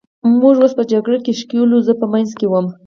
موږ اوس په جګړه کې ښکېل وو، زه په منځ کې وم.